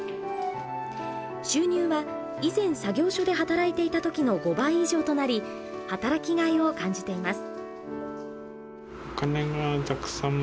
収入は以前作業所で働いていた時の５倍以上となり働きがいを感じています。